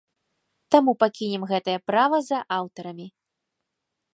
Таму пакінем гэтае права за аўтарамі.